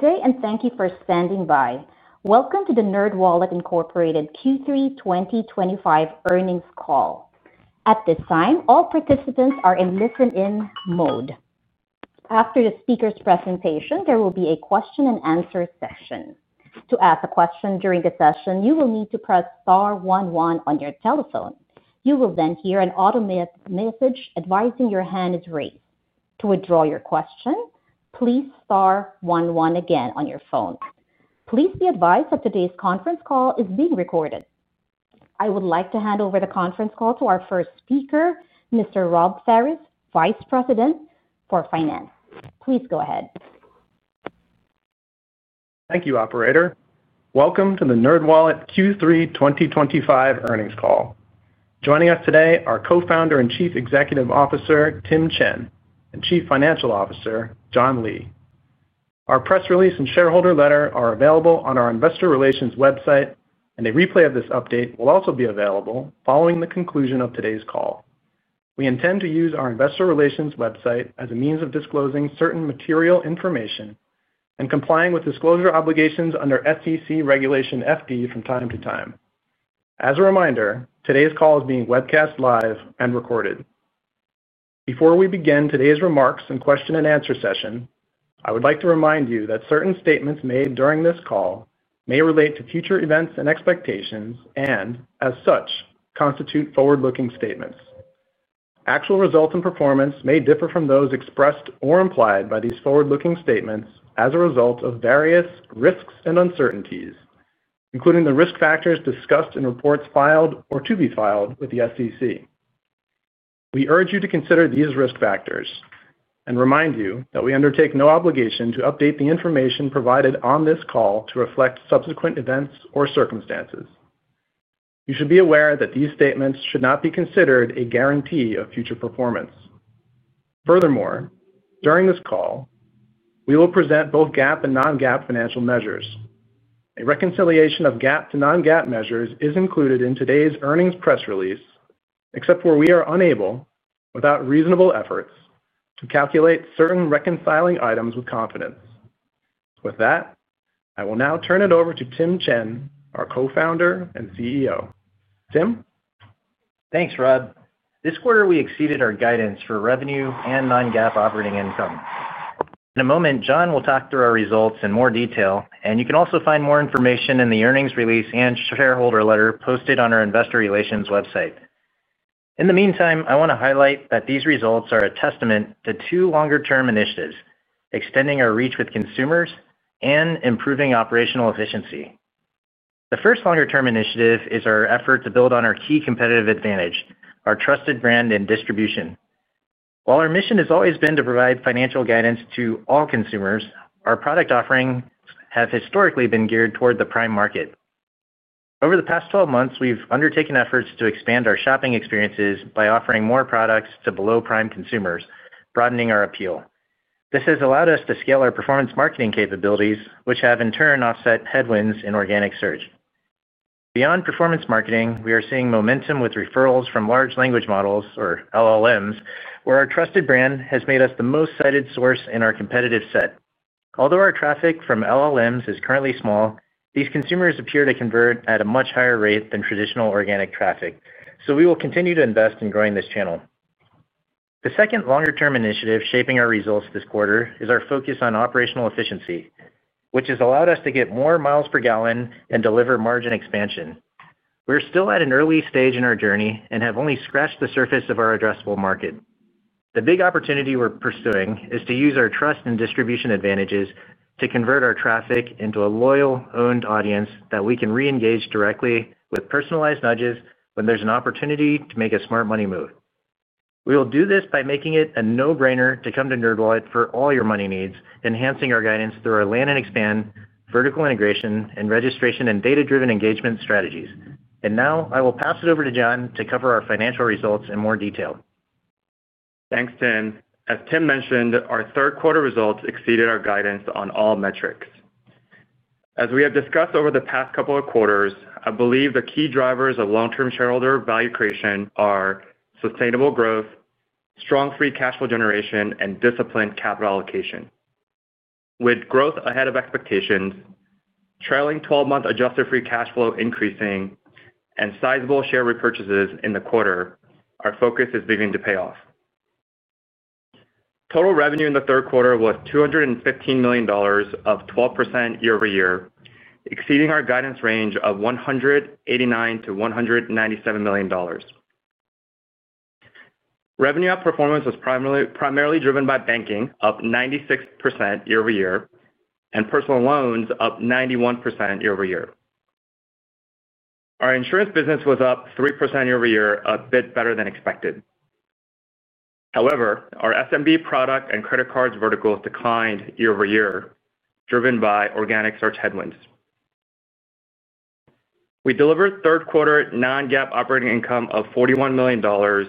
Today, and thank you for standing by. Welcome to the NerdWallet Q3 2025 earnings call. At this time, all participants are in listen-in mode. After the speaker's presentation, there will be a question-and-answer session. To ask a question during the session, you will need to press star one one on your telephone. You will then hear an automated message advising your hand is raised. To withdraw your question, please star one one again on your phone. Please be advised that today's conference call is being recorded. I would like to hand over the conference call to our first speaker, Mr. Robb Ferris, Vice President for Finance. Please go ahead. Thank you, Operator. Welcome to the NerdWallet Q3 2025 earnings call. Joining us today are Co-Founder and Chief Executive Officer Tim Chen and Chief Financial Officer John Lee. Our press release and shareholder letter are available on our Investor Relations website, and a replay of this update will also be available following the conclusion of today's call. We intend to use our Investor Relations website as a means of disclosing certain material information and complying with disclosure obligations under SEC Regulation FD from time to time. As a reminder, today's call is being webcast live and recorded. Before we begin today's remarks and question-and-answer session, I would like to remind you that certain statements made during this call may relate to future events and expectations and, as such, constitute forward-looking statements. Actual results and performance may differ from those expressed or implied by these forward-looking statements as a result of various risks and uncertainties, including the risk factors discussed in reports filed or to be filed with the SEC. We urge you to consider these risk factors and remind you that we undertake no obligation to update the information provided on this call to reflect subsequent events or circumstances. You should be aware that these statements should not be considered a guarantee of future performance. Furthermore, during this call, we will present both GAAP and non-GAAP financial measures. A reconciliation of GAAP to non-GAAP measures is included in today's earnings press release, except for we are unable, without reasonable efforts, to calculate certain reconciling items with confidence. With that, I will now turn it over to Tim Chen, our Co-Founder and CEO. Tim. Thanks, Robb. This quarter, we exceeded our guidance for revenue and non-GAAP operating income. In a moment, John will talk through our results in more detail, and you can also find more information in the earnings release and shareholder letter posted on our Investor Relations website. In the meantime, I want to highlight that these results are a testament to two longer-term initiatives: extending our reach with consumers and improving operational efficiency. The first longer-term initiative is our effort to build on our key competitive advantage, our trusted brand and distribution. While our mission has always been to provide financial guidance to all consumers, our product offerings have historically been geared toward the prime market. Over the past 12 months, we've undertaken efforts to expand our shopping experiences by offering more products to below-prime consumers, broadening our appeal. This has allowed us to scale our performance marketing capabilities, which have, in turn, offset headwinds in organic search. Beyond performance marketing, we are seeing momentum with referrals from large language models, or LLMs, where our trusted brand has made us the most cited source in our competitive set. Although our traffic from LLMs is currently small, these consumers appear to convert at a much higher rate than traditional organic traffic, so we will continue to invest in growing this channel. The second longer-term initiative shaping our results this quarter is our focus on operational efficiency, which has allowed us to get more miles per gallon and deliver margin expansion. We're still at an early stage in our journey and have only scratched the surface of our addressable market. The big opportunity we're pursuing is to use our trust and distribution advantages to convert our traffic into a loyal-owned audience that we can re-engage directly with personalized nudges when there's an opportunity to make a smart money move. We will do this by making it a no-brainer to come to NerdWallet for all your money needs, enhancing our guidance through our land and expand, vertical integration, and registration and data-driven engagement strategies. I will pass it over to John to cover our financial results in more detail. Thanks, Tim. As Tim mentioned, our third-quarter results exceeded our guidance on all metrics. As we have discussed over the past couple of quarters, I believe the key drivers of long-term shareholder value creation are sustainable growth, strong free cash flow generation, and disciplined capital allocation. With growth ahead of expectations, trailing 12-month adjusted-free cash flow increasing, and sizable share repurchases in the quarter, our focus is beginning to pay off. Total revenue in the third quarter was $215 million, up 12% year-over-year, exceeding our guidance range of $189 million-$197 million. Revenue outperformance was primarily driven by banking, up 96% year-over-year, and personal loans, up 91% year-over-year. Our insurance business was up 3% year-over-year, a bit better than expected. However, our SMB product and credit cards verticals declined year-over-year, driven by organic search headwinds. We delivered third-quarter non-GAAP operating income of $41 million.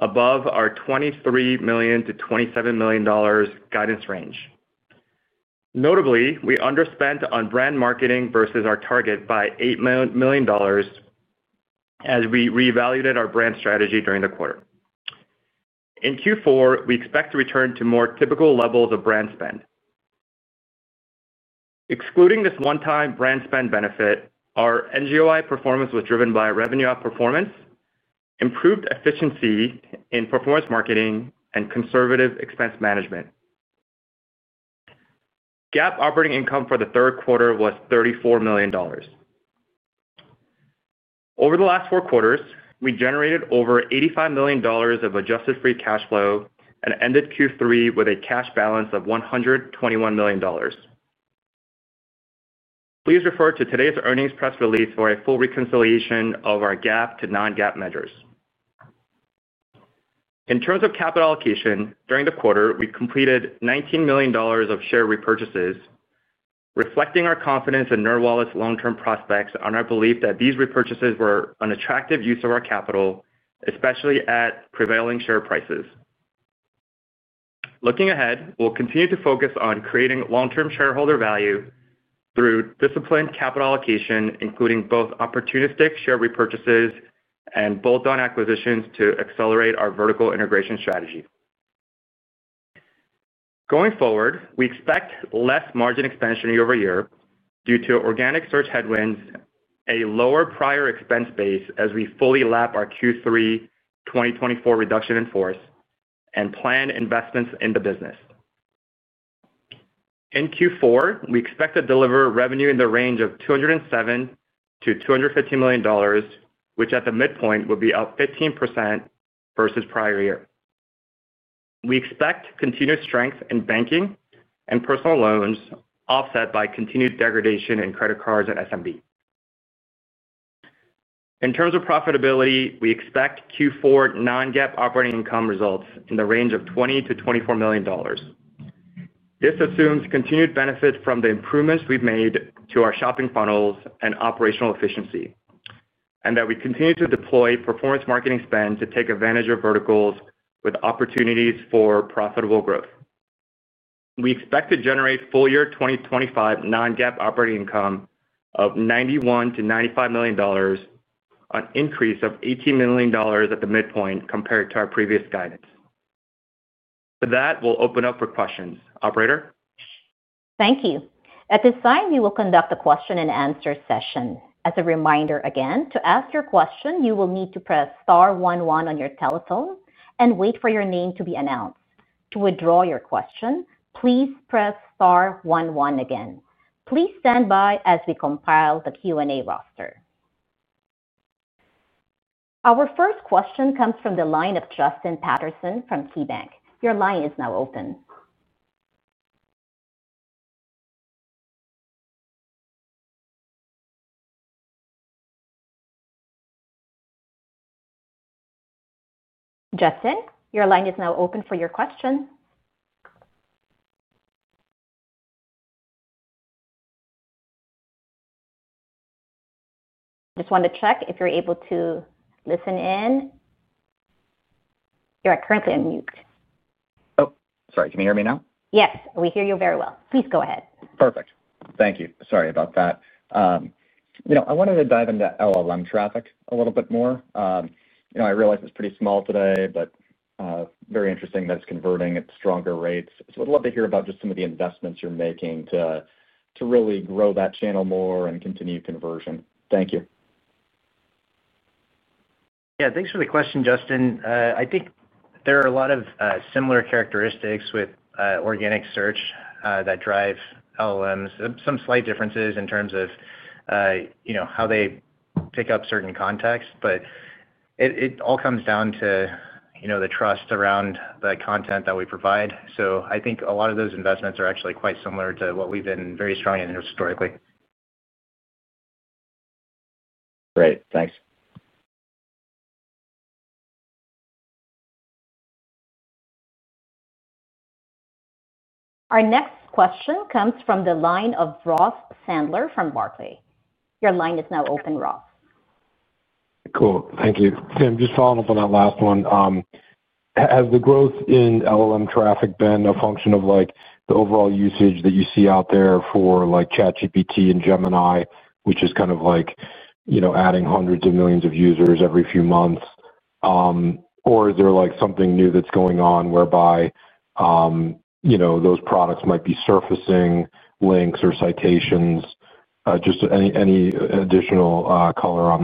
Above our $23 million-$27 million guidance range. Notably, we underspent on brand marketing versus our target by $8 million as we reevaluated our brand strategy during the quarter. In Q4, we expect to return to more typical levels of brand spend. Excluding this one-time brand spend benefit, our NGOI performance was driven by revenue outperformance, improved efficiency in performance marketing, and conservative expense management. GAAP operating income for the third quarter was $34 million. Over the last four quarters, we generated over $85 million of adjusted-free cash flow and ended Q3 with a cash balance of $121 million. Please refer to today's earnings press release for a full reconciliation of our GAAP to non-GAAP measures. In terms of capital allocation, during the quarter, we completed $19 million of share repurchases. Reflecting our confidence in NerdWallet's long-term prospects and our belief that these repurchases were an attractive use of our capital, especially at prevailing share prices. Looking ahead, we'll continue to focus on creating long-term shareholder value through disciplined capital allocation, including both opportunistic share repurchases and bolt-on acquisitions to accelerate our vertical integration strategy. Going forward, we expect less margin expansion year-over-year due to organic search headwinds, a lower prior expense base as we fully lap our Q3 2024 reduction in force, and planned investments in the business. In Q4, we expect to deliver revenue in the range of $207 million-$250 million, which at the midpoint would be up 15% versus prior year. We expect continued strength in banking and personal loans, offset by continued degradation in credit cards and SMB. In terms of profitability, we expect Q4 non-GAAP operating income results in the range of $20 million-$24 million. This assumes continued benefit from the improvements we've made to our shopping funnels and operational efficiency, and that we continue to deploy performance marketing spend to take advantage of verticals with opportunities for profitable growth. We expect to generate full year 2025 non-GAAP operating income of $91 million-$95 million, an increase of $18 million at the midpoint compared to our previous guidance. With that, we'll open up for questions. Operator. Thank you. At this time, we will conduct a question-and-answer session. As a reminder again, to ask your question, you will need to press star one one on your telephone and wait for your name to be announced. To withdraw your question, please press star one one again. Please stand by as we compile the Q&A roster. Our first question comes from the line of Justin Patterson from KeyBanc. Your line is now open. Justin, your line is now open for your question. Just want to check if you're able to listen in. You're currently on mute. Oh, sorry. Can you hear me now? Yes, we hear you very well. Please go ahead. Perfect. Thank you. Sorry about that. I wanted to dive into LLM traffic a little bit more. I realize it's pretty small today, but very interesting that it's converting at stronger rates. I'd love to hear about just some of the investments you're making to really grow that channel more and continue conversion. Thank you. Yeah, thanks for the question, Justin. I think there are a lot of similar characteristics with organic search that drive LLMs, some slight differences in terms of how they pick up certain contexts, but it all comes down to the trust around the content that we provide. I think a lot of those investments are actually quite similar to what we've been very strong in historically. Great. Thanks. Our next question comes from the line of Ross Sandler from Barclays. Your line is now open, Ross. Cool. Thank you. Tim, just following up on that last one. Has the growth in LLM traffic been a function of the overall usage that you see out there for ChatGPT and Gemini, which is kind of adding hundreds of millions of users every few months? Or is there something new that's going on whereby those products might be surfacing links or citations? Just any additional color on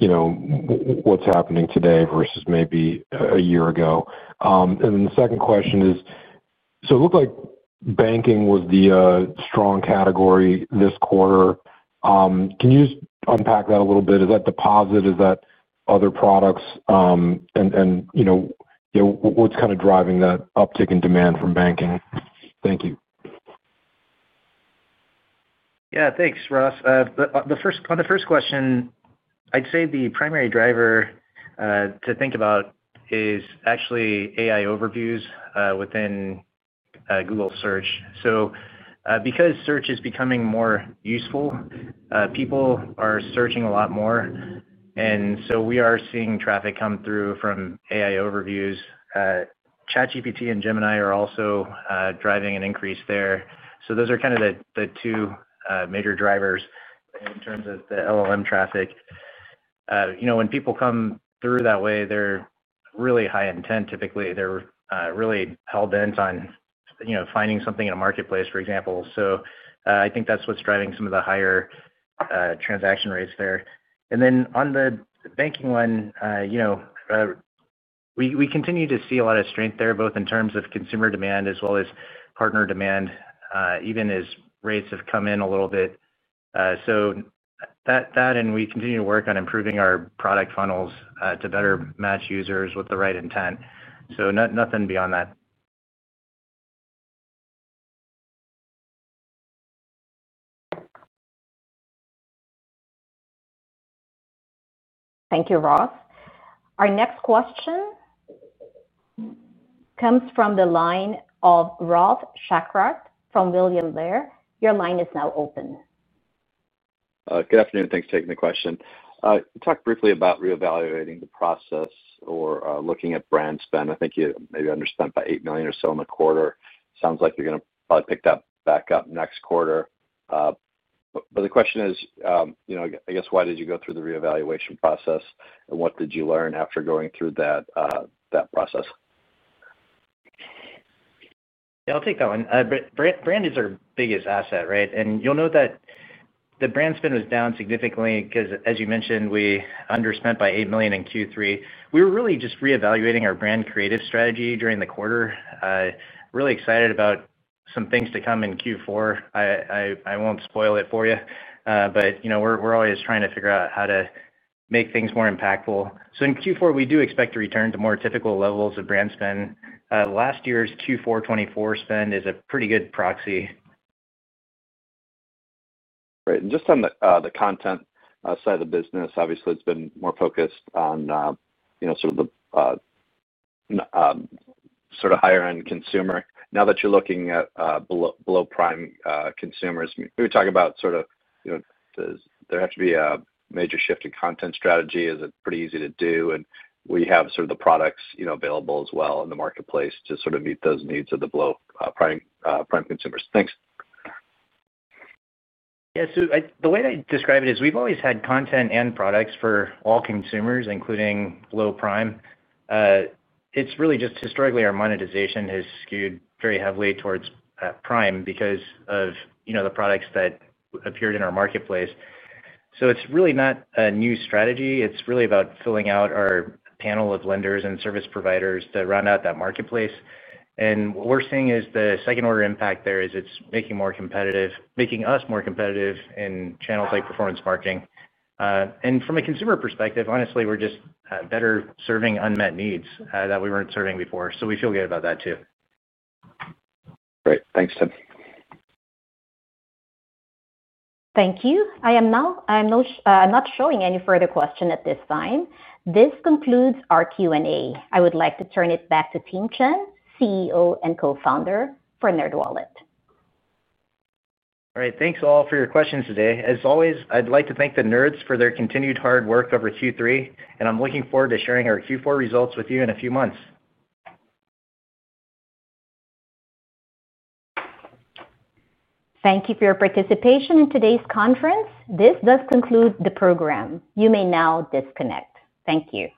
what's happening today versus maybe a year ago. The second question is, it looked like banking was the strong category this quarter. Can you just unpack that a little bit? Is that deposit? Is that other products? What's kind of driving that uptick in demand from banking? Thank you. Yeah, thanks, Ross. On the first question, I'd say the primary driver to think about is actually AI overviews within Google Search. Because search is becoming more useful, people are searching a lot more. We are seeing traffic come through from AI overviews. ChatGPT and Gemini are also driving an increase there. Those are kind of the two major drivers in terms of the LLM traffic. When people come through that way, they're really high intent. Typically, they're really hell-bent on finding something in a marketplace, for example. I think that's what's driving some of the higher transaction rates there. On the banking one, we continue to see a lot of strength there, both in terms of consumer demand as well as partner demand, even as rates have come in a little bit. We continue to work on improving our product funnels to better match users with the right intent. Nothing beyond that. Thank you, Ross. Our next question comes from the line of Ralf Schackart from William Blair. Your line is now open. Good afternoon. Thanks for taking the question. Talk briefly about reevaluating the process or looking at brand spend. I think you maybe underspent by $8 million or so in the quarter. Sounds like you're going to probably pick that back up next quarter. The question is, I guess, why did you go through the reevaluation process, and what did you learn after going through that process? Yeah, I'll take that one. Brand is our biggest asset, right? And you know that. The brand spend was down significantly because, as you mentioned, we underspent by $8 million in Q3. We were really just reevaluating our brand creative strategy during the quarter. Really excited about some things to come in Q4. I won't spoil it for you, but we're always trying to figure out how to make things more impactful. In Q4, we do expect to return to more typical levels of brand spend. Last year's Q4 2024 spend is a pretty good proxy. Right. And just on the content side of the business, obviously, it's been more focused on sort of the higher-end consumer. Now that you're looking at below prime consumers, we talk about sort of there has to be a major shift in content strategy. Is it pretty easy to do? And we have sort of the products available as well in the marketplace to sort of meet those needs of the below prime, prime consumers. Thanks. Yeah. The way I describe it is we've always had content and products for all consumers, including low prime. It's really just, historically, our monetization has skewed very heavily towards prime because of the products that appeared in our marketplace. It's really not a new strategy. It's really about filling out our panel of lenders and service providers to round out that marketplace. What we're seeing is the second-order impact there is it's making us more competitive in channels like performance marketing. From a consumer perspective, honestly, we're just better serving unmet needs that we weren't serving before. We feel good about that too. Great. Thanks, Tim. Thank you. I am not showing any further question at this time. This concludes our Q&A. I would like to turn it back to Tim Chen, CEO and co-founder for NerdWallet. All right. Thanks all for your questions today. As always, I'd like to thank the nerds for their continued hard work over Q3, and I'm looking forward to sharing our Q4 results with you in a few months. Thank you for your participation in today's conference. This does conclude the program. You may now disconnect. Thank you.